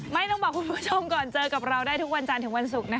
ไม่ต้องบอกคุณผู้ชมก่อนเจอกับเราได้ทุกวันจันทร์ถึงวันศุกร์นะคะ